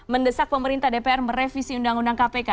mendesak pemerintah dpr merevisi undang undang kpk